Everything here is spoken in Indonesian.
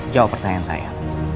jawab pertanyaan saya